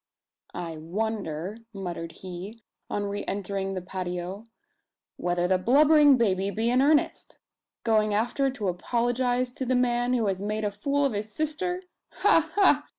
"I wonder," muttered he, on re entering the patio, "whether the blubbering baby be in earnest? Going after to apologise to the man who has made a fool of his sister! Ha ha!